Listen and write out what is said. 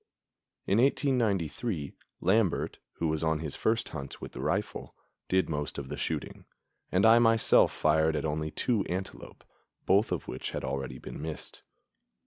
In 1893, Lambert, who was on his first hunt with the rifle, did most of the shooting, and I myself fired at only two antelope, both of which had already been missed.